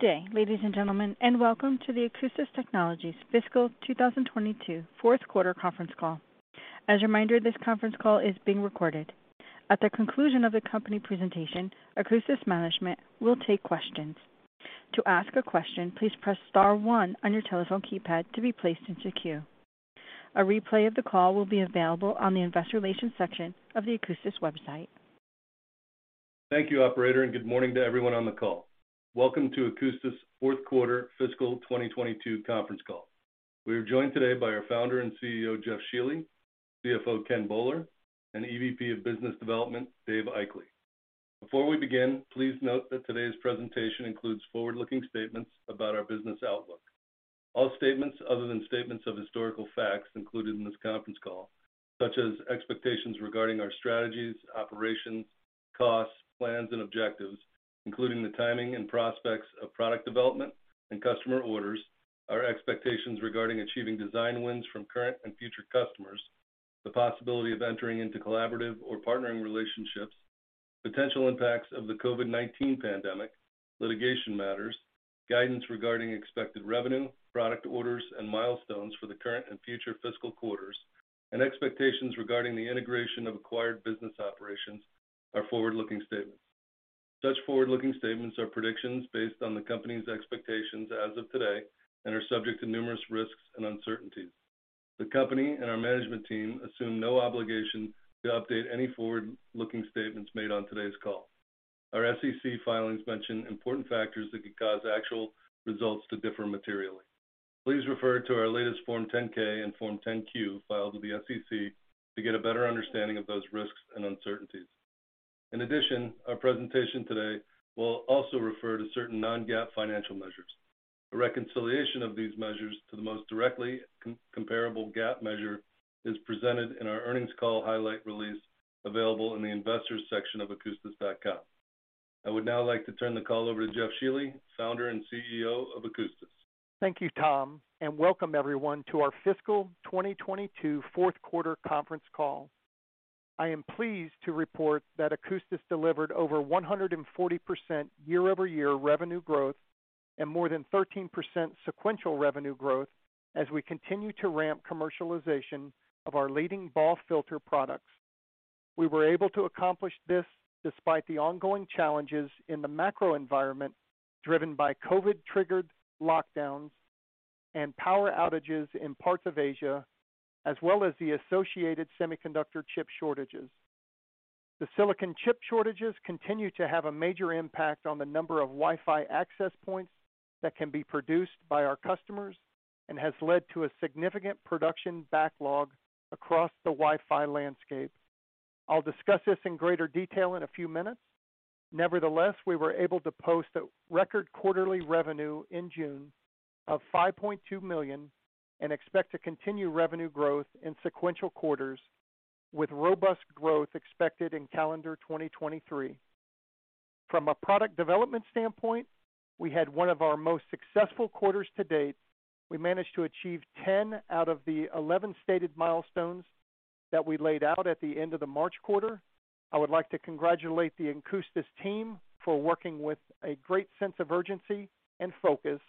Good day, ladies and gentlemen, and welcome to the Akoustis Technologies Fiscal 2022 fourth quarter conference call. As a reminder, this conference call is being recorded. At the conclusion of the company presentation, Akoustis management will take questions. To ask a question, please press star one on your telephone keypad to be placed into queue. A replay of the call will be available on the Investor Relations section of the Akoustis website. Thank you, operator, and good morning to everyone on the call. Welcome to Akoustis' fourth quarter fiscal 2022 conference call. We are joined today by our Founder and CEO, Jeff Shealy, CFO, Ken Boller, and EVP of Business Development, Dave Aichele. Before we begin, please note that today's presentation includes forward-looking statements about our business outlook. All statements other than statements of historical facts included in this conference call, such as expectations regarding our strategies, operations, costs, plans, and objectives, including the timing and prospects of product development and customer orders, our expectations regarding achieving design wins from current and future customers, the possibility of entering into collaborative or partnering relationships, potential impacts of the COVID-19 pandemic, litigation matters, guidance regarding expected revenue, product orders, and milestones for the current and future fiscal quarters, and expectations regarding the integration of acquired business operations are forward-looking statements. Such forward-looking statements are predictions based on the company's expectations as of today and are subject to numerous risks and uncertainties. The company and our management team assume no obligation to update any forward-looking statements made on today's call. Our SEC filings mention important factors that could cause actual results to differ materially. Please refer to our latest Form 10-K and Form 10-Q filed with the SEC to get a better understanding of those risks and uncertainties. In addition, our presentation today will also refer to certain non-GAAP financial measures. A reconciliation of these measures to the most directly comparable GAAP measure is presented in our earnings call highlight release available in the Investors section of akoustis.com. I would now like to turn the call over to Jeff Shealy, Founder and CEO of Akoustis. Thank you, Tom, and welcome everyone to our fiscal 2022 fourth quarter conference call. I am pleased to report that Akoustis delivered over 140% year-over-year revenue growth and more than 13% sequential revenue growth as we continue to ramp commercialization of our leading BAW filter products. We were able to accomplish this despite the ongoing challenges in the macro environment, driven by COVID triggered lockdowns and power outages in parts of Asia, as well as the associated semiconductor chip shortages. The silicon chip shortages continue to have a major impact on the number of Wi-Fi access points that can be produced by our customers and has led to a significant production backlog across the Wi-Fi landscape. I'll discuss this in greater detail in a few minutes. Nevertheless, we were able to post a record quarterly revenue in June of $5.2 million and expect to continue revenue growth in sequential quarters with robust growth expected in calendar 2023. From a product development standpoint, we had one of our most successful quarters to date. We managed to achieve 10 out of the 11 stated milestones that we laid out at the end of the March quarter. I would like to congratulate the Akoustis team for working with a great sense of urgency and focus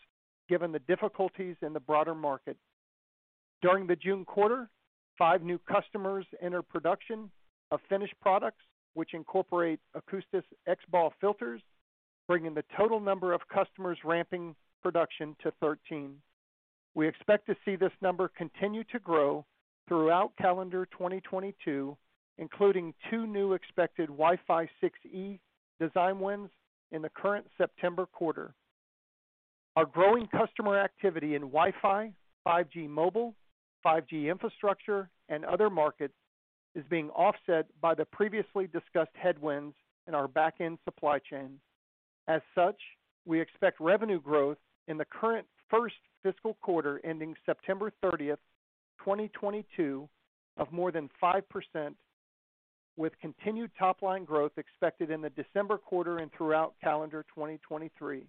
given the difficulties in the broader market. During the June quarter, five new customers entered production of finished products, which incorporate Akoustis XBAW filters, bringing the total number of customers ramping production to 13. We expect to see this number continue to grow throughout calendar 2022, including two new expected Wi-Fi 6E design wins in the current September quarter. Our growing customer activity in Wi-Fi, 5G Mobile, 5G infrastructure, and other markets is being offset by the previously discussed headwinds in our back-end supply chain. As such, we expect revenue growth in the current first fiscal quarter ending September 30th, 2022 of more than 5%, with continued top-line growth expected in the December quarter and throughout calendar 2023.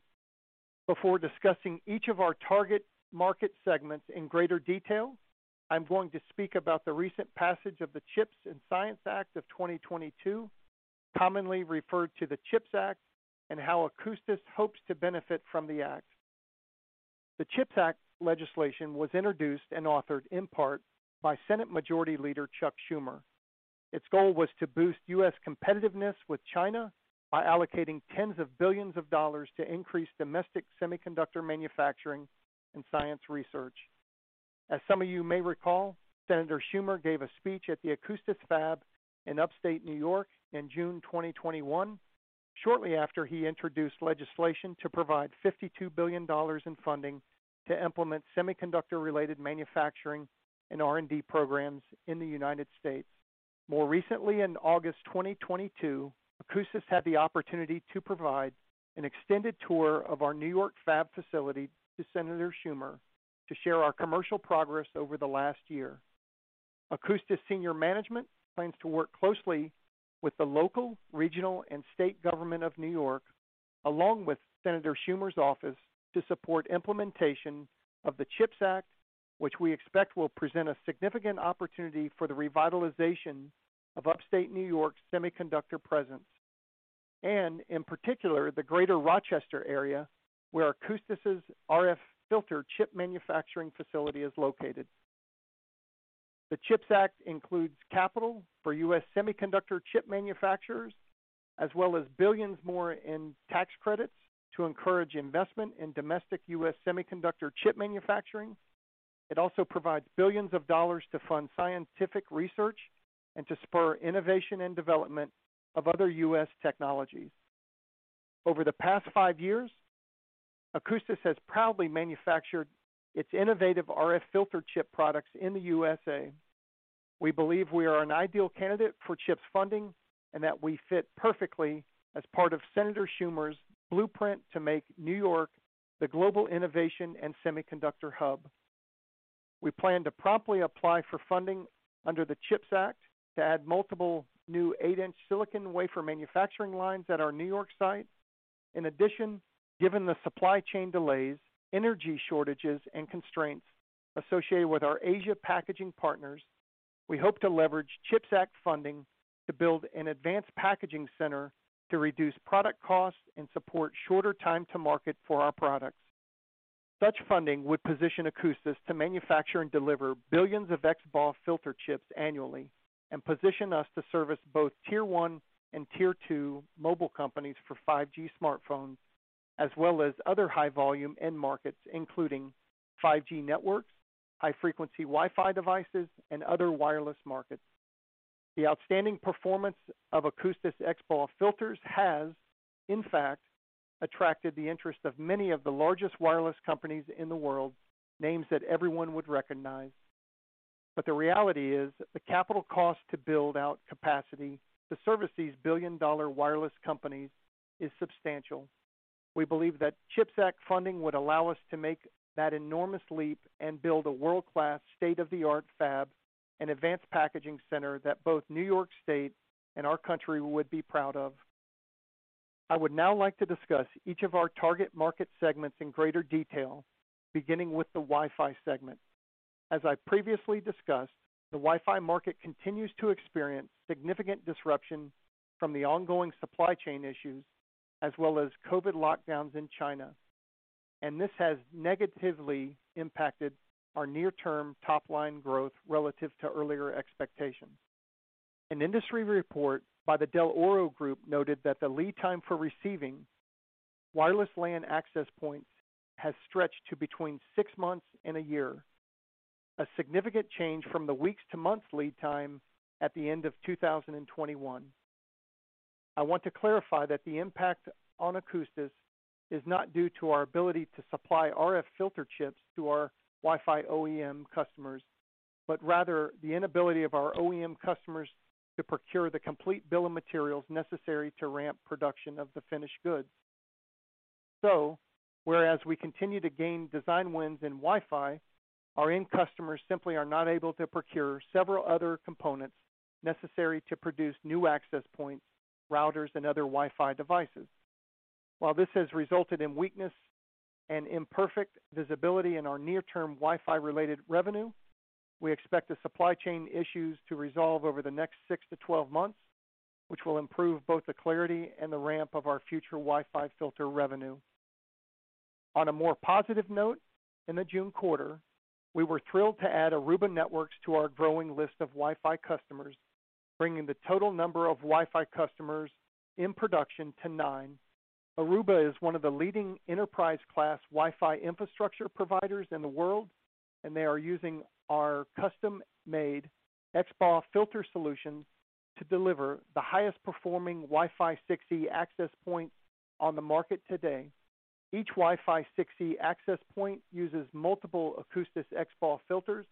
Before discussing each of our target market segments in greater detail, I'm going to speak about the recent passage of the CHIPS and Science Act of 2022, commonly referred to as the CHIPS Act, and how Akoustis hopes to benefit from the act. The CHIPS Act legislation was introduced and authored in part by Senate Majority Leader Chuck Schumer. Its goal was to boost U.S. competitiveness with China by allocating tens of billions of dollars to increase domestic semiconductor manufacturing and science research. As some of you may recall, Senator Schumer gave a speech at the Akoustis fab in upstate New York in June 2021, shortly after he introduced legislation to provide $52 billion in funding to implement semiconductor-related manufacturing and R&D programs in the United States. More recently, in August 2022, Akoustis had the opportunity to provide an extended tour of our New York fab facility to Senator Schumer to share our commercial progress over the last year. Akoustis senior management plans to work closely with the local, regional, and state government of New York, along with Senator Schumer's office, to support implementation of the CHIPS Act, which we expect will present a significant opportunity for the revitalization of upstate New York's semiconductor presence, and in particular, the Greater Rochester area, where Akoustis' RF filter chip manufacturing facility is located. The CHIPS Act includes capital for U.S. semiconductor chip manufacturers, as well as billions more in tax credits to encourage investment in domestic U.S. semiconductor chip manufacturing. It also provides billions of dollars to fund scientific research and to spur innovation and development of other U.S. technologies. Over the past five years, Akoustis has proudly manufactured its innovative RF filter chip products in the U.S.A. We believe we are an ideal candidate for CHIPS funding and that we fit perfectly as part of Senator Schumer's blueprint to make New York the global innovation and semiconductor hub. We plan to promptly apply for funding under the CHIPS Act to add multiple new eight-inch silicon wafer manufacturing lines at our New York site. In addition, given the supply chain delays, energy shortages, and constraints associated with our Asia packaging partners, we hope to leverage CHIPS Act funding to build an advanced packaging center to reduce product costs and support shorter time to market for our products. Such funding would position Akoustis to manufacture and deliver billions of XBAW filter chips annually and position us to service both Tier 1 and Tier 2 mobile companies for 5G smartphones, as well as other high-volume end markets, including 5G networks, high-frequency Wi-Fi devices, and other wireless markets. The outstanding performance of Akoustis XBAW filters has, in fact, attracted the interest of many of the largest wireless companies in the world, names that everyone would recognize. The reality is the capital cost to build out capacity to service these billion-dollar wireless companies is substantial. We believe that CHIPS Act funding would allow us to make that enormous leap and build a world-class, state-of-the-art fab and advanced packaging center that both New York State and our country would be proud of. I would now like to discuss each of our target market segments in greater detail, beginning with the Wi-Fi segment. As I previously discussed, the Wi-Fi market continues to experience significant disruption from the ongoing supply chain issues as well as COVID lockdowns in China, and this has negatively impacted our near-term top-line growth relative to earlier expectations. An industry report by the Dell'Oro Group noted that the lead time for receiving wireless LAN access points has stretched to between six months and a year, a significant change from the weeks to months lead time at the end of 2021. I want to clarify that the impact on Akoustis is not due to our ability to supply RF filter chips to our Wi-Fi OEM customers, but rather the inability of our OEM customers to procure the complete bill of materials necessary to ramp production of the finished goods. Whereas we continue to gain design wins in Wi-Fi, our end customers simply are not able to procure several other components necessary to produce new access points, routers, and other Wi-Fi devices. While this has resulted in weakness and imperfect visibility in our near-term Wi-Fi-related revenue, we expect the supply chain issues to resolve over the next six to 12 months, which will improve both the clarity and the ramp of our future Wi-Fi filter revenue. On a more positive note, in the June quarter, we were thrilled to add Aruba Networks to our growing list of Wi-Fi customers, bringing the total number of Wi-Fi customers in production to nine. Aruba is one of the leading enterprise-class Wi-Fi infrastructure providers in the world, and they are using our custom-made XBAW filter solutions to deliver the highest performing Wi-Fi 6E access point on the market today. Each Wi-Fi 6E access point uses multiple Akoustis XBAW filters,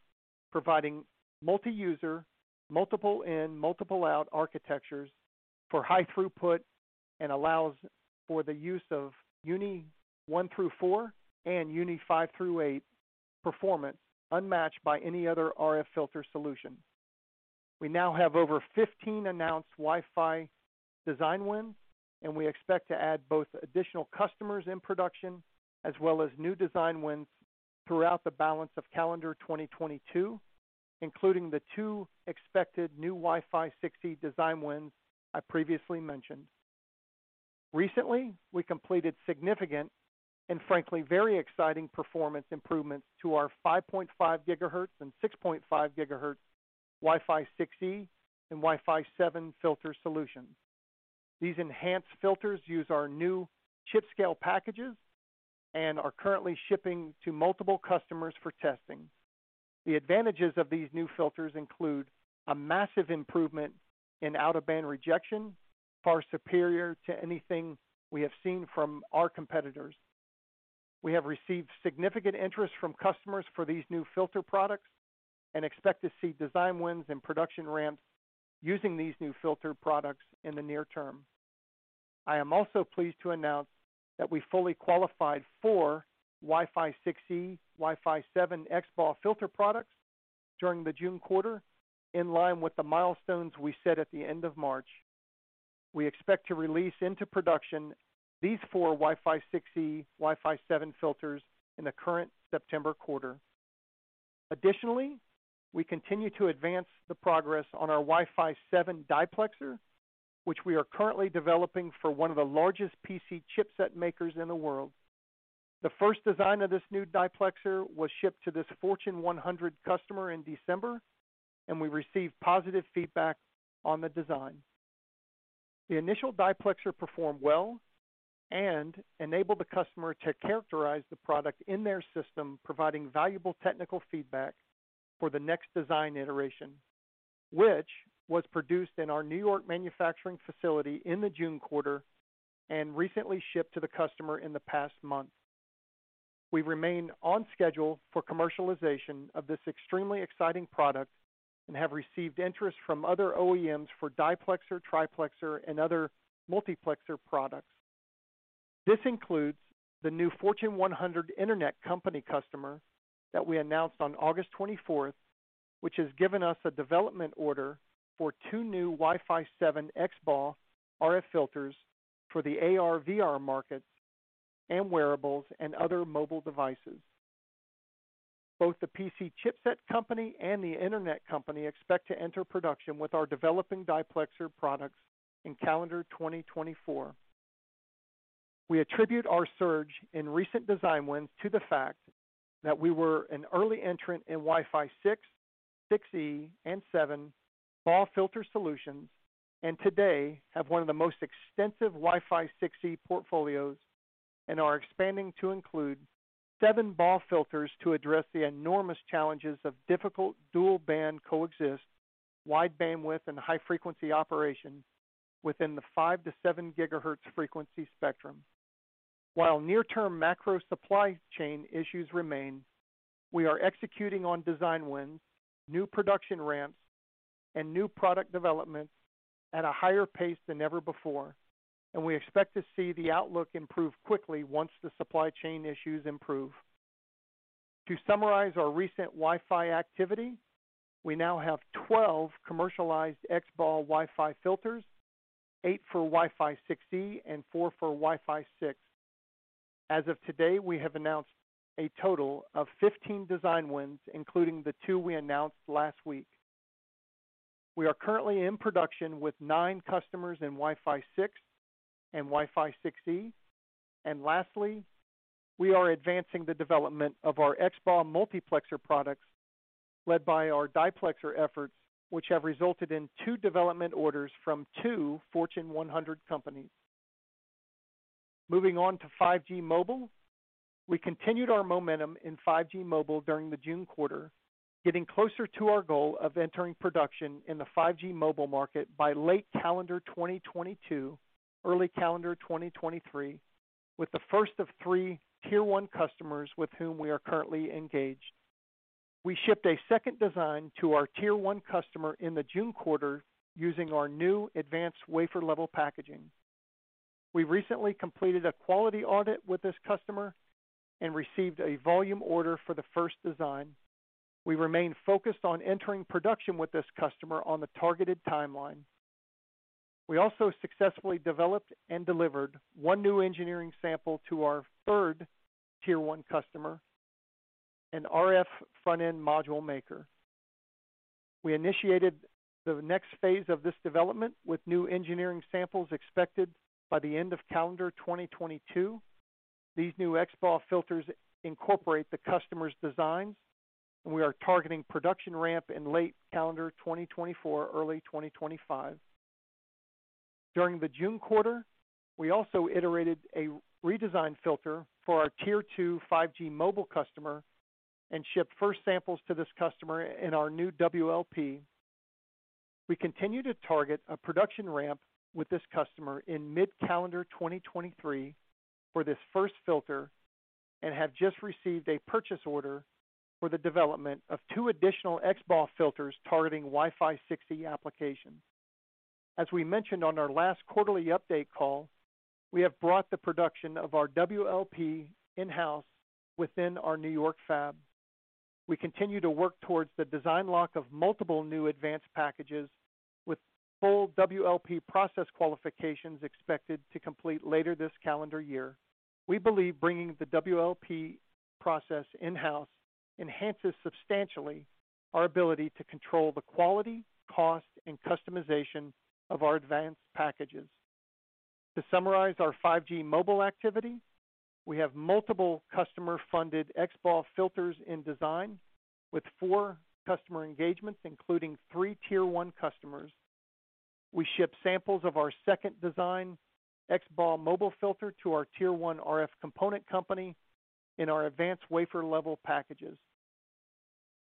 providing multi-user, multiple in, multiple out architectures for high throughput and allows for the use of UNII-1-to-4 and UNII-5-to-8 performance unmatched by any other RF filter solution. We now have over 15 announced Wi-Fi design wins, and we expect to add both additional customers in production as well as new design wins throughout the balance of calendar 2022, including the two expected new Wi-Fi 6E design wins I previously mentioned. Recently, we completed significant and frankly very exciting performance improvements to our 5.5 GHz and 6.5 GHz Wi-Fi 6E and Wi-Fi 7 filter solutions. These enhanced filters use our new chip-scale packages and are currently shipping to multiple customers for testing. The advantages of these new filters include a massive improvement in out-of-band rejection, far superior to anything we have seen from our competitors. We have received significant interest from customers for these new filter products and expect to see design wins and production ramps using these new filter products in the near term. I am also pleased to announce that we fully qualified 4 Wi-Fi 6E, Wi-Fi 7 XBAW filter products during the June quarter in line with the milestones we set at the end of March. We expect to release into production these 4 Wi-Fi 6E, Wi-Fi 7 filters in the current September quarter. Additionally, we continue to advance the progress on our Wi-Fi 7 diplexer, which we are currently developing for one of the largest PC chipset makers in the world. The first design of this new diplexer was shipped to this Fortune 100 customer in December, and we received positive feedback on the design. The initial diplexer performed well and enabled the customer to characterize the product in their system, providing valuable technical feedback for the next design iteration, which was produced in our New York manufacturing facility in the June quarter and recently shipped to the customer in the past month. We remain on schedule for commercialization of this extremely exciting product and have received interest from other OEMs for diplexer, triplexer, and other multiplexer products. This includes the new Fortune 100 internet company customer that we announced on August 24th, 2022 which has given us a development order for two new Wi-Fi 7 XBAW RF filters for the AR/VR market and wearables and other mobile devices. Both the PC chipset company and the internet company expect to enter production with our developing diplexer products in calendar 2024. We attribute our surge in recent design wins to the fact that we were an early entrant in Wi-Fi 6E and 7, BAW filter solutions. Today, we have one of the most extensive Wi-Fi 6E portfolios and are expanding to include 7 BAW filters to address the enormous challenges of difficult dual-band coexistence, wide bandwidth, and high frequency operation within the 5 GHz-7 GHz frequency spectrum. While near-term macro supply chain issues remain, we are executing on design wins, new production ramps, and new product developments at a higher pace than ever before, and we expect to see the outlook improve quickly once the supply chain issues improve. To summarize our recent Wi-Fi activity, we now have 12 commercialized XBAW Wi-Fi filters, eight for Wi-Fi 6E and four for Wi-Fi 6. As of today, we have announced a total of 15 design wins, including the 2 we announced last week. We are currently in production with nine customers in Wi-Fi 6 and Wi-Fi 6E. Lastly, we are advancing the development of our XBAW multiplexer products led by our diplexer efforts, which have resulted in two development orders from two Fortune 100 companies. Moving on to 5G Mobile. We continued our momentum in 5G Mobile during the June quarter, getting closer to our goal of entering production in the 5G Mobile market by late calendar 2022, early calendar 2023, with the first of three Tier 1 customers with whom we are currently engaged. We shipped a second design to our Tier 1 customer in the June quarter using our new advanced wafer level packaging. We recently completed a quality audit with this customer and received a volume order for the first design. We remain focused on entering production with this customer on the targeted timeline. We also successfully developed and delivered one new engineering sample to our third Tier 1 customer, an RF frontend module maker. We initiated the next phase of this development with new engineering samples expected by the end of calendar 2022. These new XBAW filters incorporate the customer's designs, and we are targeting production ramp in late calendar 2024, early 2025. During the June quarter, we also iterated a redesigned filter for our Tier 2 5G mobile customer and shipped first samples to this customer in our new WLP. We continue to target a production ramp with this customer in mid-calendar 2023 for this first filter and have just received a purchase order for the development of two additional XBAW filters targeting Wi-Fi 6E applications. As we mentioned on our last quarterly update call, we have brought the production of our WLP in-house within our New York fab. We continue to work towards the design lock of multiple new advanced packages with full WLP process qualifications expected to complete later this calendar year. We believe bringing the WLP process in-house enhances substantially our ability to control the quality, cost, and customization of our advanced packages. To summarize our 5G Mobile activity, we have multiple customer-funded XBAW filters in design with four customer engagements including three tier-one customers. We ship samples of our second design XBAW mobile filter to our Tier 1 RF component company in our advanced wafer-level packages.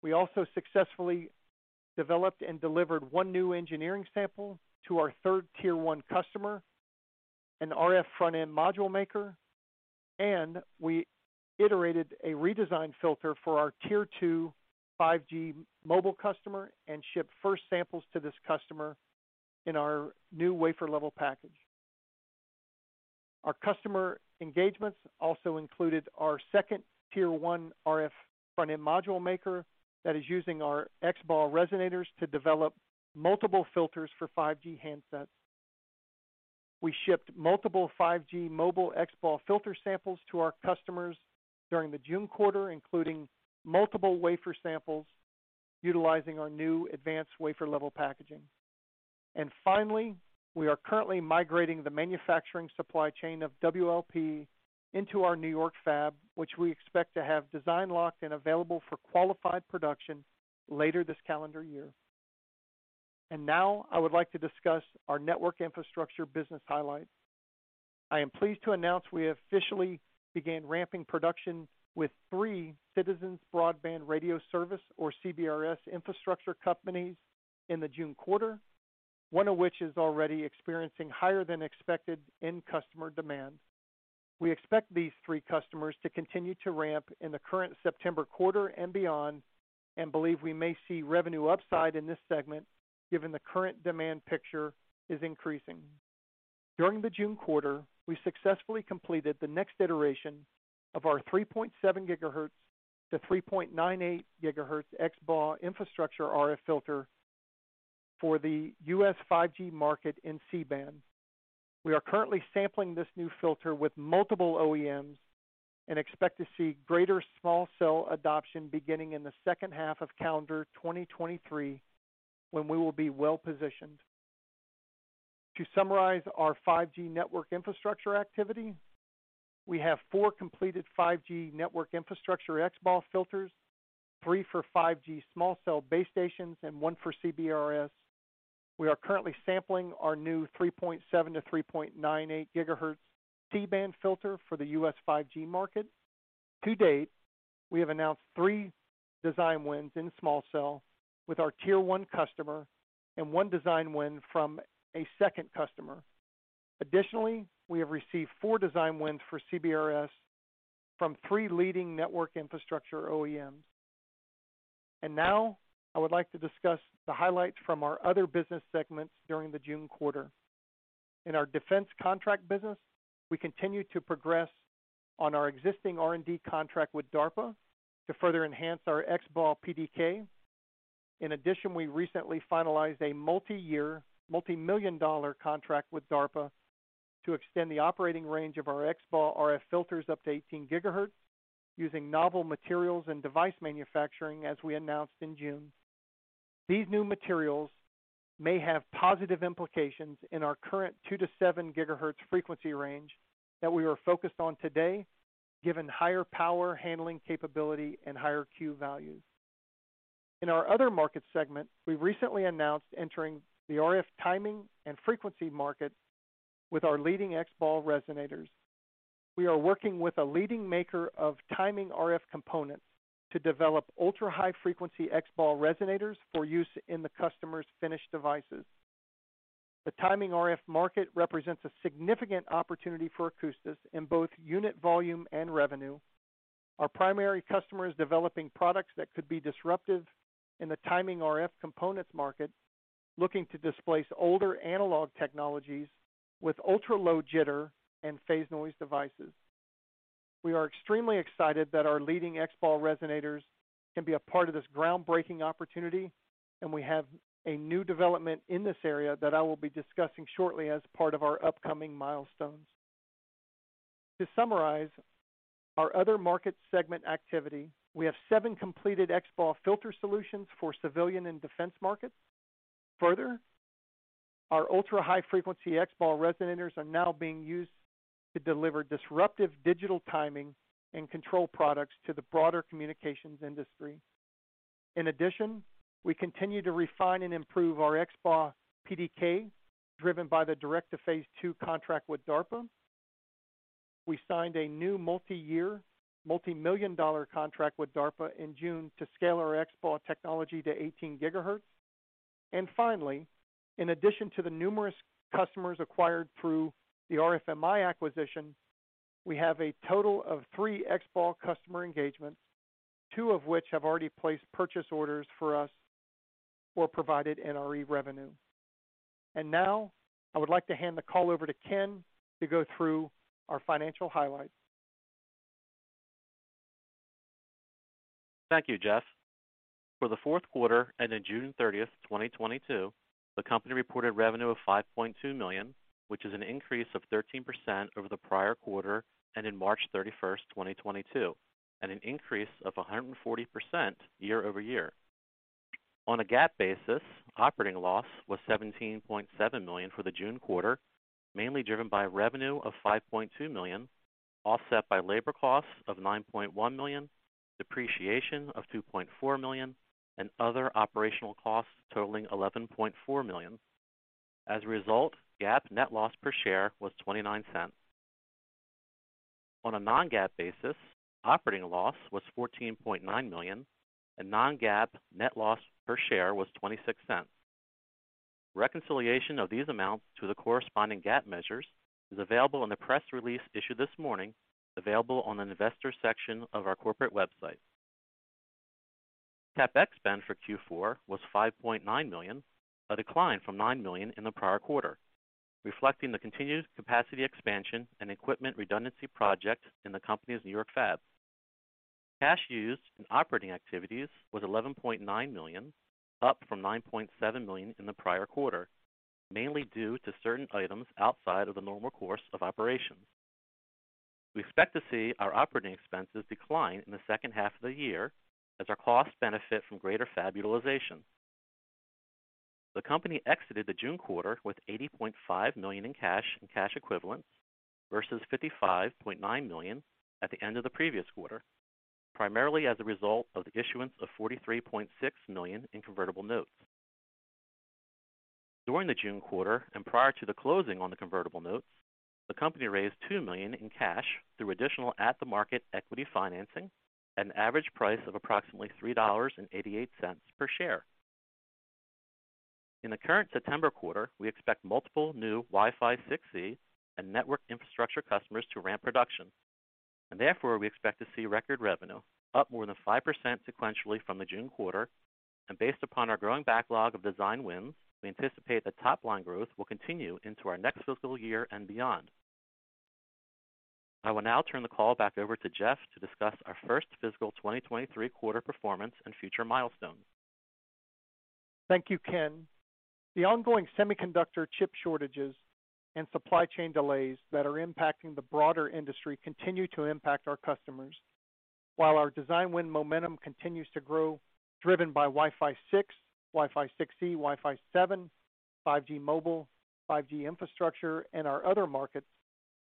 We also successfully developed and delivered one new engineering sample to our third Tier 1 customer, an RF front-end module maker. We iterated a redesigned filter for our Tier 2 5G mobile customer and shipped first samples to this customer in our new wafer-level packaging. Our customer engagements also included our second Tier 1 RF front-end module maker that is using our XBAW resonators to develop multiple filters for 5G handsets. We shipped multiple 5G mobile XBAW filter samples to our customers during the June quarter, including multiple wafer samples utilizing our new advanced wafer-level packaging. Finally, we are currently migrating the manufacturing supply chain of WLP into our New York fab, which we expect to have design locked and available for qualified production later this calendar year. Now I would like to discuss our Network Infrastructure business highlights. I am pleased to announce we have officially began ramping production with three Citizens Broadband Radio Service or CBRS infrastructure companies in the June quarter, one of which is already experiencing higher than expected end customer demand. We expect these three customers to continue to ramp in the current September quarter and beyond, and believe we may see revenue upside in this segment given the current demand picture is increasing. During the June quarter, we successfully completed the next iteration of our 3.7 GHz-3.98 GHz XBAW infrastructure RF filter for the U.S. 5G market in C-band. We are currently sampling this new filter with multiple OEMs and expect to see greater small cell adoption beginning in the second half of calendar 2023, when we will be well-positioned. To summarize our 5G Network Infrastructure activity, we have four completed 5G network infrastructure XBAW filters, three for 5G small cell base stations and one for CBRS. We are currently sampling our new 3.7-3.98 GHz C-band filter for the U.S. 5G market. To date, we have announced three design wins in small cell with our Tier 1 customer and one design win from a second customer. Additionally, we have received four design wins for CBRS from three leading network infrastructure OEMs. Now I would like to discuss the highlights from our other business segments during the June quarter. In our defense contract business, we continue to progress on our existing R&D contract with DARPA to further enhance our XBAW PDK. In addition, we recently finalized a multi-year, multi-million dollar contract with DARPA to extend the operating range of our XBAW RF filters up to 18 GHz using novel materials and device manufacturing, as we announced in June. These new materials may have positive implications in our current 2 GHz-7 GHz frequency range that we are focused on today, given higher power handling capability and higher Q values. In our other market segment, we recently announced entering the RF timing and frequency market with our leading XBAW resonators. We are working with a leading maker of timing RF components to develop ultra-high frequency XBAW resonators for use in the customer's finished devices. The timing RF market represents a significant opportunity for Akoustis in both unit volume and revenue. Our primary customer is developing products that could be disruptive in the timing RF components market, looking to displace older analog technologies with ultra-low jitter and phase noise devices. We are extremely excited that our leading XBA resonators can be a part of this groundbreaking opportunity, and we have a new development in this area that I will be discussing shortly as part of our upcoming milestones. To summarize our other market segment activity, we have seven completed XBA filter solutions for civilian and defense markets. Further, our ultra-high frequency XBA resonators are now being used to deliver disruptive digital timing and control products to the broader communications industry. In addition, we continue to refine and improve our XBA PDK, driven by the direct to phase two contract with DARPA. We signed a new multi-year, multi-million dollar contract with DARPA in June to scale our XBA technology to 18 GHz. Finally, in addition to the numerous customers acquired through the RFMi acquisition, we have a total of three XBAW customer engagements, two of which have already placed purchase orders for us or provided NRE revenue. Now I would like to hand the call over to Ken to go through our financial highlights. Thank you, Jeff. For the fourth quarter ended June 30th, 2022, the company reported revenue of $5.2 million, which is an increase of 13% over the prior quarter ended March 31st, 2022, and an increase of 140% year-over-year. On a GAAP basis, operating loss was $17.7 million for the June quarter, mainly driven by revenue of $5.2 million, offset by labor costs of $9.1 million, depreciation of $2.4 million, and other operational costs totaling $11.4 million. As a result, GAAP net loss per share was $0.29. On a non-GAAP basis, operating loss was $14.9 million, and non-GAAP net loss per share was $0.26. Reconciliation of these amounts to the corresponding GAAP measures is available in the press release issued this morning, available on an Investor section of our corporate website. CapEx spend for Q4 was $5.9 million, a decline from $9 million in the prior quarter, reflecting the continued capacity expansion and equipment redundancy project in the company's New York fab. Cash used in operating activities was $11.9 million, up from $9.7 million in the prior quarter, mainly due to certain items outside of the normal course of operations. We expect to see our operating expenses decline in the second half of the year as our costs benefit from greater fab utilization. The company exited the June quarter with $80.5 million in cash and cash equivalents versus $55.9 million at the end of the previous quarter, primarily as a result of the issuance of $43.6 million in convertible notes. During the June quarter and prior to the closing on the convertible notes, the company raised $2 million in cash through additional at-the-market equity financing at an average price of approximately $3.88 per share. In the current September quarter, we expect multiple new Wi-Fi 6E and Network Infrastructure customers to ramp production, and therefore, we expect to see record revenue up more than 5% sequentially from the June quarter. Based upon our growing backlog of design wins, we anticipate that top-line growth will continue into our next fiscal year and beyond. I will now turn the call back over to Jeff to discuss our first fiscal 2023 quarter performance and future milestones. Thank you, Ken. The ongoing semiconductor chip shortages and supply chain delays that are impacting the broader industry continue to impact our customers. While our design win momentum continues to grow, driven by Wi-Fi 6, Wi-Fi 6E, Wi-Fi 7, 5G Mobile, 5G Infrastructure, and our other markets,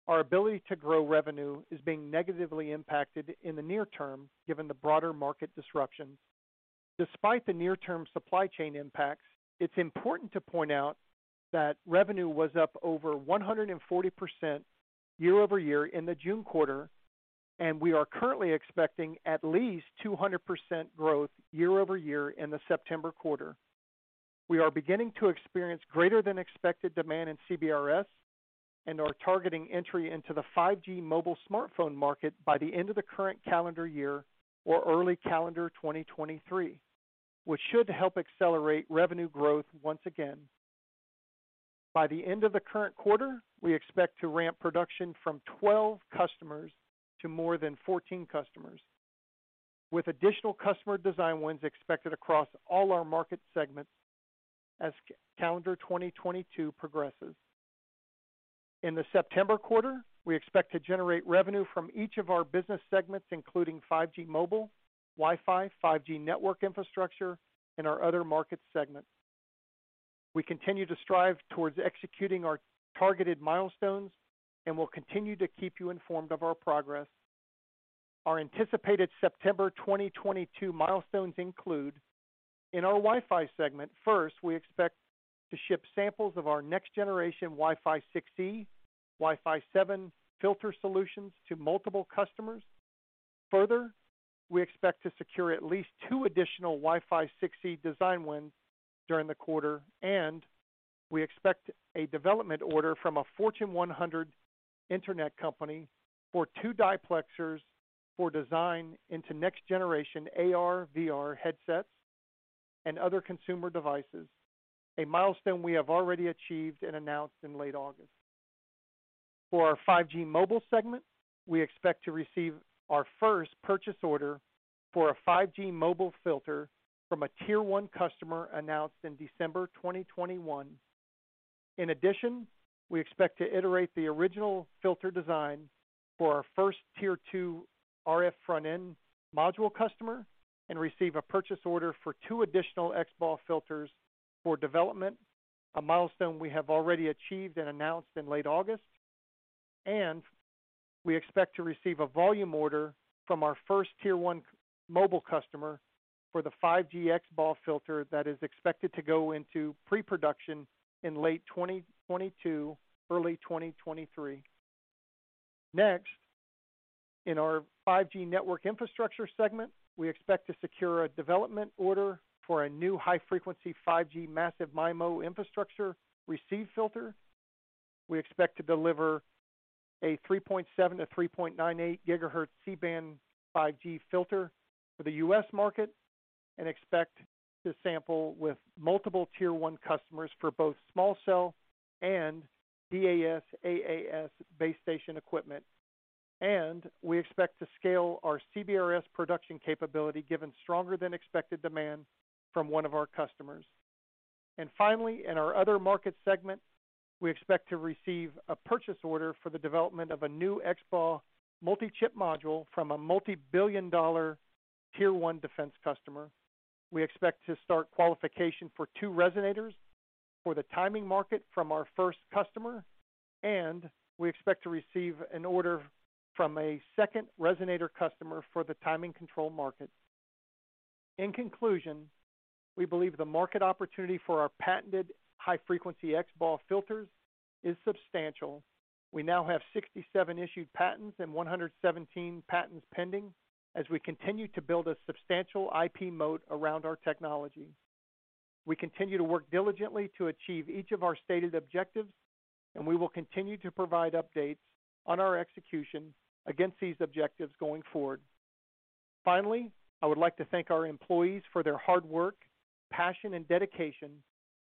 our ability to grow revenue is being negatively impacted in the near term, given the broader market disruptions. Despite the near-term supply chain impacts, it's important to point out that revenue was up over 140% year-over-year in the June quarter, and we are currently expecting at least 200% growth year-over-year in the September quarter. We are beginning to experience greater than expected demand in CBRS and are targeting entry into the 5G mobile smartphone market by the end of the current calendar year or early calendar 2023, which should help accelerate revenue growth once again. By the end of the current quarter, we expect to ramp production from 12 customers to more than 14 customers, with additional customer design wins expected across all our market segments as calendar 2022 progresses. In the September quarter, we expect to generate revenue from each of our business segments, including 5G Mobile, Wi-Fi, 5G Network Infrastructure, and our other market segments. We continue to strive towards executing our targeted milestones and will continue to keep you informed of our progress. Our anticipated September 2022 milestones include, in our Wi-Fi segment, first, we expect to ship samples of our next generation Wi-Fi 6E, Wi-Fi 7 filter solutions to multiple customers. Further, we expect to secure at least two additional Wi-Fi 6E design wins during the quarter, and we expect a development order from a Fortune 100 internet company for two diplexers for design into next generation AR/VR headsets and other consumer devices, a milestone we have already achieved and announced in late August. For our 5G Mobile segment, we expect to receive our first purchase order for a 5G mobile filter from a Tier 1 customer announced in December 2021. In addition, we expect to iterate the original filter design for our first Tier 2 RF front-end module customer and receive a purchase order for two additional XBAW filters for development, a milestone we have already achieved and announced in late August. We expect to receive a volume order from our first Tier 1 mobile customer for the 5G XBAW filter that is expected to go into pre-production in late 2022, early 2023. Next, in our 5G Network Infrastructure segment, we expect to secure a development order for a new high-frequency 5G massive MIMO infrastructure receive filter. We expect to deliver a 3.7 GHz-3.98 GHz C-band 5G filter for the U.S. market and expect to sample with multiple Tier 1 customers for both small cell and DAS/AAS base station equipment. We expect to scale our CBRS production capability given stronger than expected demand from one of our customers. Finally, in our other market segment, we expect to receive a purchase order for the development of a new XBAW multi-chip module from a multi-billion dollar Tier 1 defense customer. We expect to start qualification for two resonators for the timing market from our first customer, and we expect to receive an order from a second resonator customer for the timing control market. In conclusion, we believe the market opportunity for our patented high-frequency XBAW filters is substantial. We now have 67 issued patents and 117 patents pending as we continue to build a substantial IP moat around our technology. We continue to work diligently to achieve each of our stated objectives, and we will continue to provide updates on our execution against these objectives going forward. Finally, I would like to thank our employees for their hard work, passion, and dedication,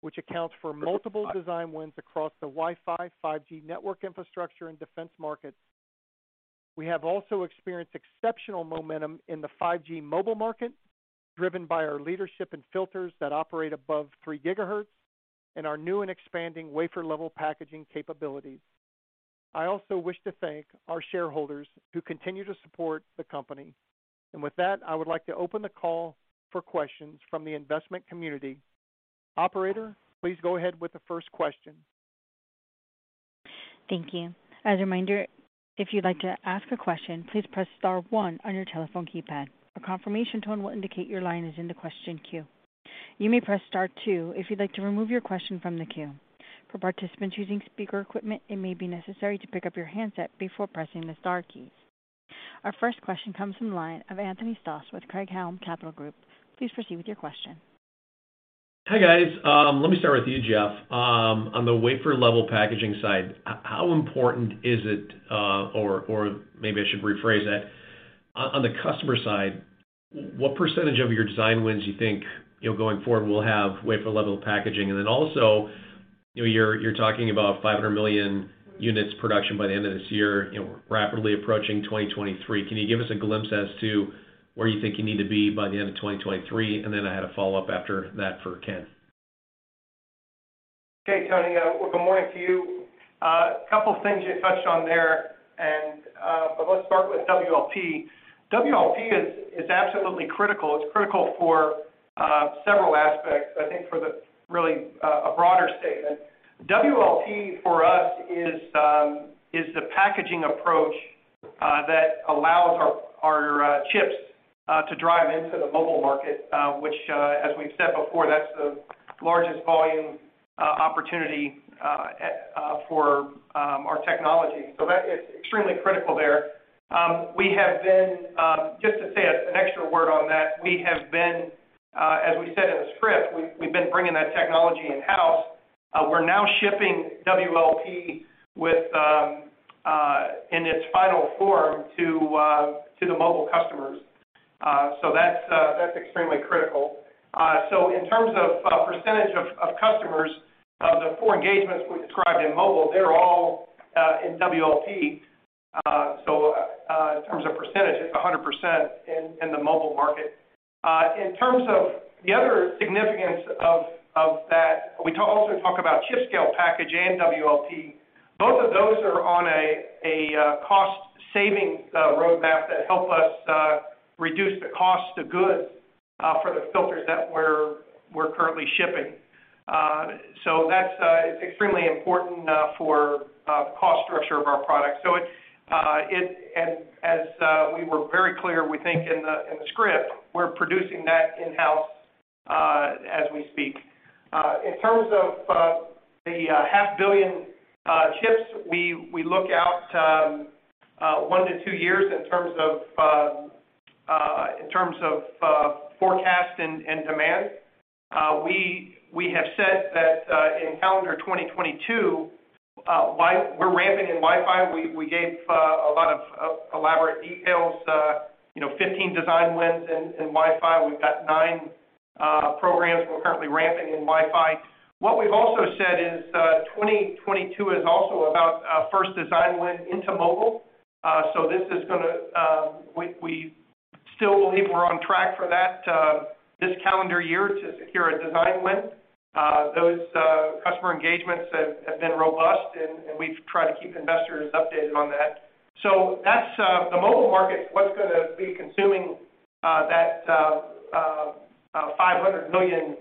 which accounts for multiple design wins across the Wi-Fi, 5G Network Infrastructure, and defense markets. We have also experienced exceptional momentum in the 5G Mobile market, driven by our leadership and filters that operate above 3 GHz and our new and expanding wafer level packaging capabilities. I also wish to thank our shareholders who continue to support the company. With that, I would like to open the call for questions from the investment community. Operator, please go ahead with the first question. Thank you. As a reminder, if you'd like to ask a question, please press star one on your telephone keypad. A confirmation tone will indicate your line is in the question queue. You may press star two if you'd like to remove your question from the queue. For participants using speaker equipment, it may be necessary to pick up your handset before pressing the star keys. Our first question comes from the line of Anthony Stoss with Craig-Hallum Capital Group. Please proceed with your question. Hi, guys. Let me start with you, Jeff. On the wafer level packaging side, how important is it, or maybe I should rephrase that. On the customer side, what percentage of your design wins you think, you know, going forward will have wafer level packaging? And then also, you know, you're talking about 500 million units production by the end of this year. You know, we're rapidly approaching 2023. Can you give us a glimpse as to where you think you need to be by the end of 2023? And then I had a follow-up after that for Ken. Okay, Tony. Well, good morning to you. A couple things you touched on there, but let's start with WLP. WLP is absolutely critical. It's critical for several aspects. I think, really, a broader statement, WLP for us is the packaging approach that allows our chips to drive into the mobile market, which, as we've said before, that's the largest volume opportunity for our technology. So that is extremely critical there. We have been, just to say an extra word on that, as we said in the script, we've been bringing that technology in-house. We're now shipping WLP in its final form to the mobile customers. So that's extremely critical. In terms of percentage of customers, the four engagements we described in mobile, they're all in WLP. In terms of percentage, it's 100% in the mobile market. In terms of the other significance of that, we also talk about chip-scale package and WLP. Both of those are on a cost savings roadmap that help us reduce the cost of goods for the filters that we're currently shipping. That's extremely important for cost structure of our products. It, and as we were very clear, we think in the script, we're producing that in-house as we speak. In terms of the half billion chips, we look out one to two years in terms of forecast and demand. We have said that in calendar 2022, we're ramping in Wi-Fi. We gave a lot of elaborate details, you know, 15 design wins in Wi-Fi. We've got nine programs we're currently ramping in Wi-Fi. What we've also said is, 2022 is also about our first design win into mobile. This is gonna. We still believe we're on track for that this calendar year to secure a design win. Those customer engagements have been robust and we've tried to keep investors updated on that. That's the mobile market is what's gonna be consuming that 500 million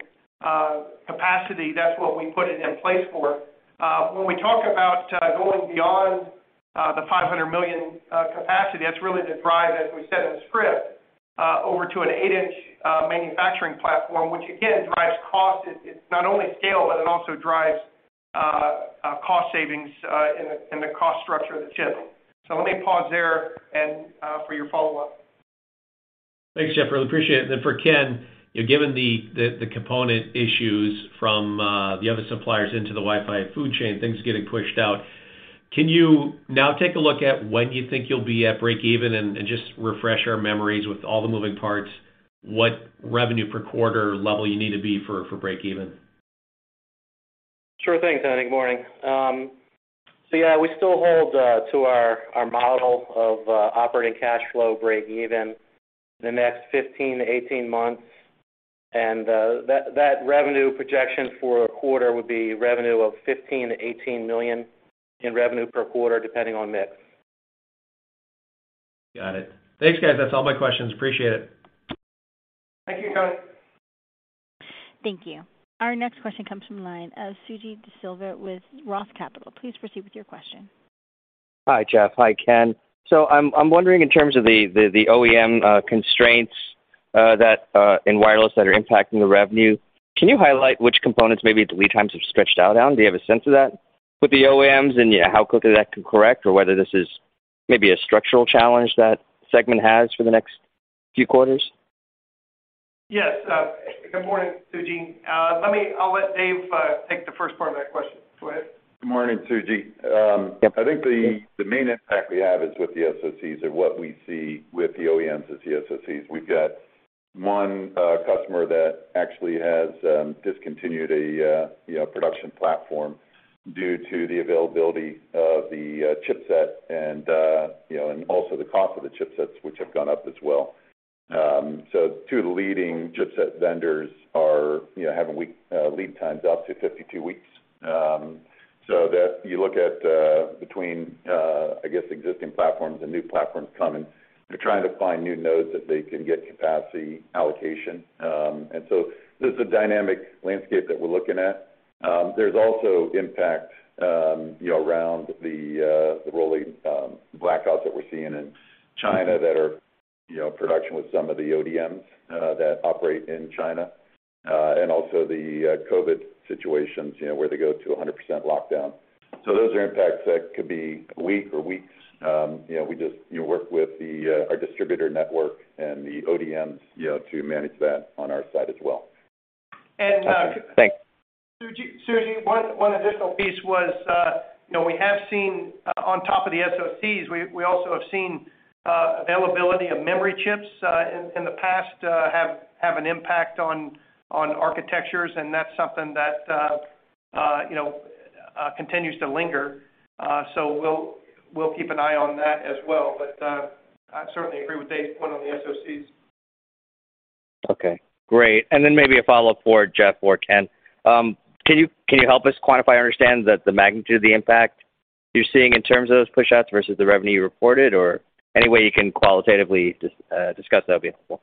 capacity. That's what we put it in place for. When we talk about going beyond the 500 million capacity, that's really to drive, as we said in the script, over to an 8-inch manufacturing platform, which again drives cost. It's not only scale, but it also drives cost savings in the cost structure of the chip. Let me pause there and for your follow-up. Thanks, Jeff. Really appreciate it. For Ken, you know, given the component issues from the other suppliers into the Wi-Fi supply chain, things getting pushed out, can you now take a look at when you think you'll be at break even? And just refresh our memories with all the moving parts, what revenue per quarter level you need to be for break even. Sure thing, Tony. Good morning. Yeah, we still hold to our model of operating cash flow break even the next 15-18 months. That revenue projection for a quarter would be revenue of $15 million-18 million in revenue per quarter, depending on mix. Got it. Thanks, guys. That's all my questions. Appreciate it. Thank you, Anthony. Thank you. Our next question comes from the line of Suji Desilva with Roth Capital. Please proceed with your question. Hi, Jeff. Hi, Ken. I'm wondering in terms of the OEM constraints that in wireless that are impacting the revenue. Can you highlight which components maybe the lead times have stretched out on? Do you have a sense of that with the OEMs and how quickly that can correct or whether this is Maybe a structural challenge that segment has for the next few quarters? Yes. Good morning, Suji. I'll let Dave take the first part of that question. Go ahead. Good morning, Suji. I think the main impact we have is with the SoCs or what we see with the OEMs is the SoCs. We've got one customer that actually has discontinued a you know production platform due to the availability of the chipset and you know and also the cost of the chipsets, which have gone up as well. Two of the leading chipset vendors are you know having lead times out to 52 weeks. When you look at between I guess existing platforms and new platforms coming, they're trying to find new nodes that they can get capacity allocation. This is a dynamic landscape that we're looking at. There's also impact, you know, around the rolling blackouts that we're seeing in China that are impacting production with some of the ODMs that operate in China, and also the COVID situations, you know, where they go to 100% lockdown. Those are impacts that could be a week or weeks. You know, we just work with our distributor network and the ODMs, you know, to manage that on our side as well. Okay. Thanks. Suji, one additional piece was, you know, we have seen on top of the SoCs, we also have seen availability of memory chips in the past have an impact on architectures, and that's something that you know continues to linger. We'll keep an eye on that as well. I certainly agree with Dave's point on the SoCs. Okay, great. Then maybe a follow-up for Jeff or Ken. Can you help us quantify or understand the magnitude of the impact you're seeing in terms of those pushouts versus the revenue you reported? Or any way you can qualitatively discuss that would be helpful.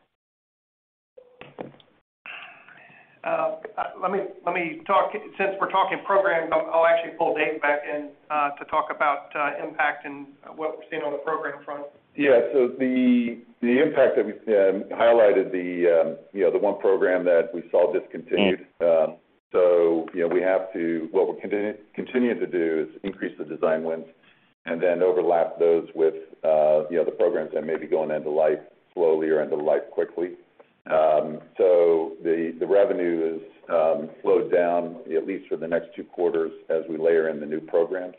Let me talk. Since we're talking programs, I'll actually pull Dave back in, to talk about impact and what we're seeing on the program front. Yeah. The impact that we've highlighted, you know, the one program that we saw discontinued. Mm. What we're continuing to do is increase the design wins and then overlap those with, you know, the programs that may be going end of life slowly or end of life quickly. The revenue is slowed down at least for the next two quarters as we layer in the new programs,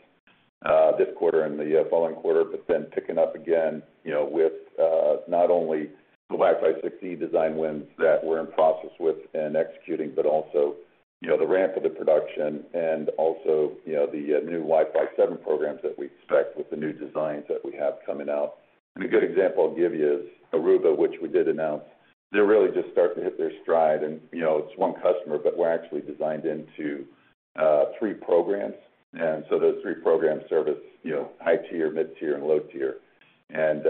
this quarter and the following quarter, but then picking up again, you know, with not only the Wi-Fi 6E design wins that we're in process with and executing, but also, you know, the new Wi-Fi 7 programs that we expect with the new designs that we have coming out. A good example I'll give you is Aruba, which we did announce. They're really just starting to hit their stride and, you know, it's one customer, but we're actually designed into three programs. Those three programs service, you know, high-tier, mid-tier, and low-tier. You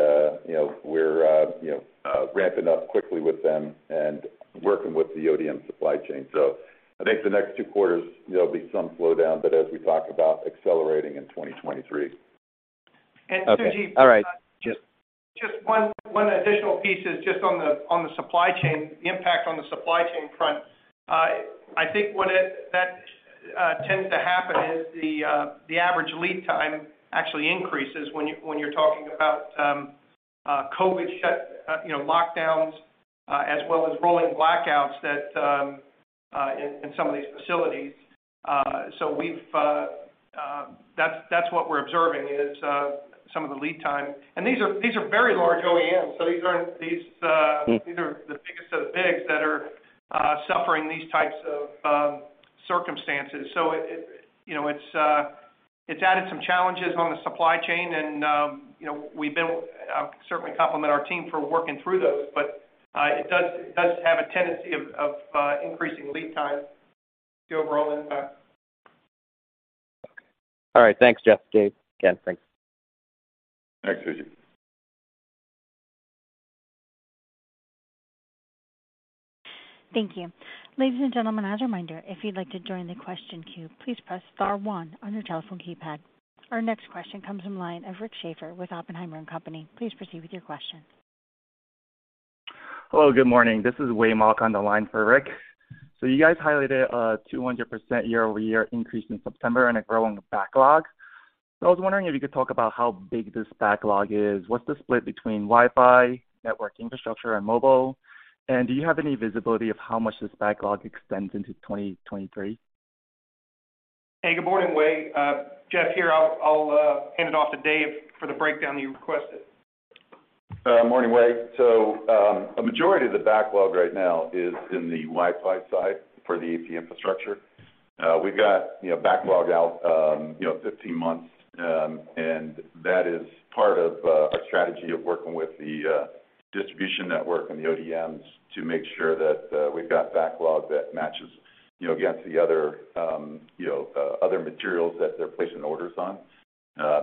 know, we're, you know, ramping up quickly with them and working with the ODM supply chain. I think the next two quarters, there'll be some slowdown, but as we talk about accelerating in 2023. Okay. All right. Suji, just one additional piece is just on the supply chain, the impact on the supply chain front. I think that tends to happen is the average lead time actually increases when you, when you're talking about COVID, you know, lockdowns, as well as rolling blackouts that in some of these facilities. So that's what we're observing is some of the lead time. These are very large OEMs, so these aren't these. Mm. These are the biggest of the bigs that are suffering these types of circumstances. It, you know, it's added some challenges on the supply chain and, you know, we've been certainly compliment our team for working through those. It does have a tendency of increasing lead time, the overall impact. All right. Thanks, Jeff, Dave, Ken. Thanks. Thanks, Suji. Thank you. Ladies and gentlemen, as a reminder, if you'd like to join the question queue, please press star one on your telephone keypad. Our next question comes from line of Rick Schafer with Oppenheimer & Co. Please proceed with your question. Hello, good morning. This is Wei Mok on the line for Rick. You guys highlighted a 200% year-over-year increase in September and a growing backlog. I was wondering if you could talk about how big this backlog is. What's the split between Wi-Fi, Network Infrastructure, and Mobile? And do you have any visibility of how much this backlog extends into 2023? Hey, good morning, Wei. Jeff here, I'll hand it off to Dave for the breakdown you requested. Morning, Wei. A majority of the backlog right now is in the Wi-Fi side for the AP infrastructure. We've got, you know, backlog out 15 months, and that is part of our strategy of working with the distribution network and the ODMs to make sure that we've got backlog that matches, you know, against the other, you know, other materials that they're placing orders on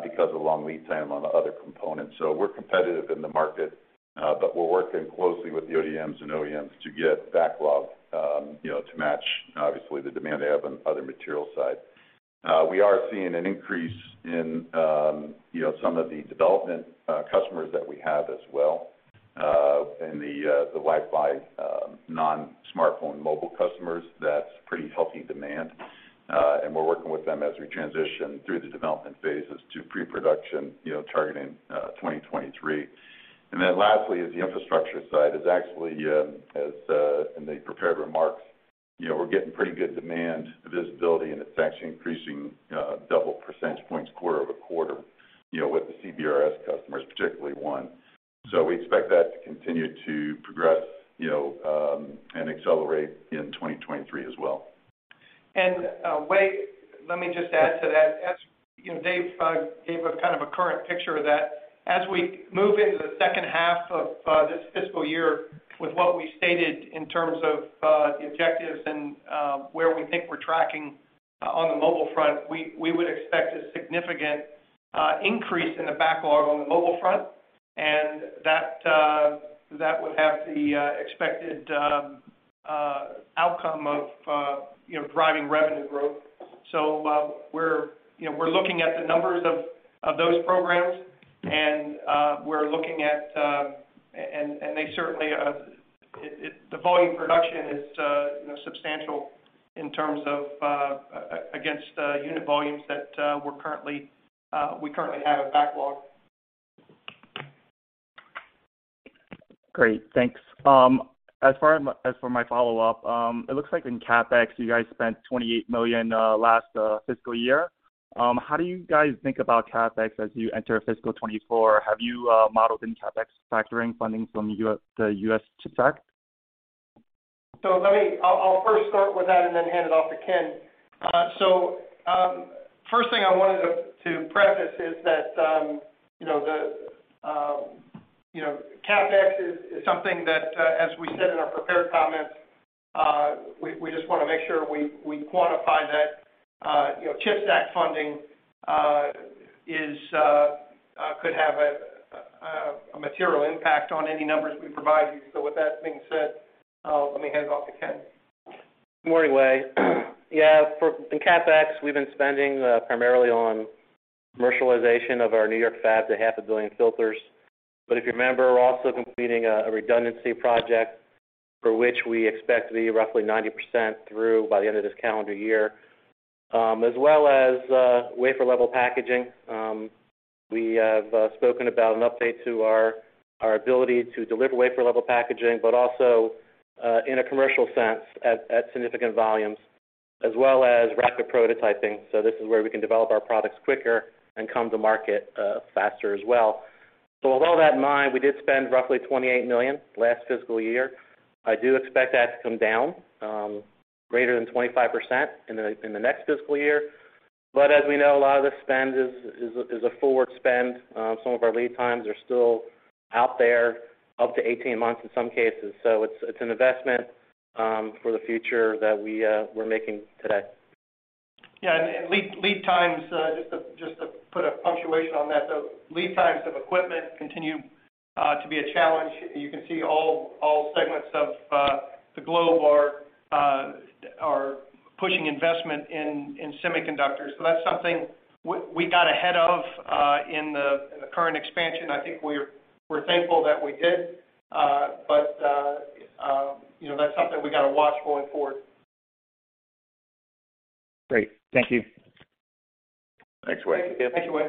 because of long lead time on the other components. We're competitive in the market, but we're working closely with the ODMs and OEMs to get backlog, you know, to match obviously the demand they have on other material side. We are seeing an increase in, you know, some of the development customers that we have as well. The Wi-Fi non-smartphone mobile customers, that's pretty healthy demand. We're working with them as we transition through the development phases to pre-production, you know, targeting 2023. Lastly is the infrastructure side. It's actually, in the prepared remarks, you know, we're getting pretty good demand visibility, and it's actually increasing double-digit percentage points quarter-over-quarter, you know, with the CBRS customers, particularly one. We expect that to continue to progress, you know, and accelerate in 2023 as well. Wei, let me just add to that. As you know, Dave gave us kind of a current picture of that. As we move into the second half of this fiscal year with what we stated in terms of the objectives and where we think we're tracking on the mobile front, we would expect a significant increase in the backlog on the mobile front, and that would have the expected outcome of you know, driving revenue growth. You know, we're looking at the numbers of those programs, and they certainly, the volume production is you know, substantial in terms of against unit volumes that we currently have in backlog. Great. Thanks. As far as for my follow-up, it looks like in CapEx, you guys spent $28 million last fiscal year. How do you guys think about CapEx as you enter fiscal 2024? Have you modeled in CapEx factoring funding from the U.S. CHIPS Act? I'll first start with that and then hand it off to Ken Boller. First thing I wanted to preface is that, you know, the, you know, CapEx is something that, as we said in our prepared comments, we just wanna make sure we quantify that. You know, CHIPS Act funding could have a material impact on any numbers we provide you. With that being said, let me hand it off to Ken Boller. Good morning, Wei. Yeah. In CapEx, we've been spending primarily on commercialization of our New York fabs at 500 million filters. If you remember, we're also completing a redundancy project for which we expect to be roughly 90% through by the end of this calendar year, as well as wafer level packaging. We have spoken about an update to our ability to deliver wafer level packaging, but also in a commercial sense at significant volumes, as well as rapid prototyping. This is where we can develop our products quicker and come to market faster as well. With all that in mind, we did spend roughly $28 million last fiscal year. I do expect that to come down greater than 25% in the next fiscal year. As we know, a lot of the spend is a forward spend. Some of our lead times are still out there, up to 18 months in some cases. It's an investment for the future that we're making today. Yeah. Lead times, just to put a punctuation on that. Lead times of equipment continue to be a challenge. You can see all segments of the globe are pushing investment in semiconductors. That's something we got ahead of in the current expansion. I think we're thankful that we did. You know, that's something we gotta watch going forward. Great. Thank you. Thanks, Wei. Yeah. Thank you, Wei.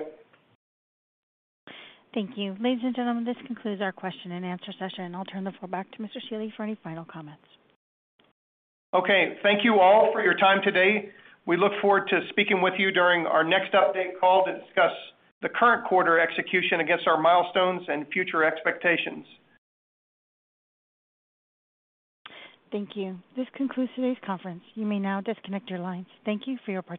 Thank you. Ladies and gentlemen, this concludes our question-and-answer session. I'll turn the floor back to Mr. Shealy for any final comments. Okay. Thank you all for your time today. We look forward to speaking with you during our next update call to discuss the current quarter execution against our milestones and future expectations. Thank you. This concludes today's conference. You may now disconnect your lines. Thank you for your participation.